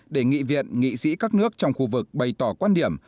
để nghị viện nghị sĩ các nước trong khu vực bày tỏ quan điểm